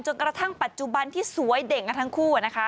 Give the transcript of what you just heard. กระทั่งปัจจุบันที่สวยเด่นกันทั้งคู่นะคะ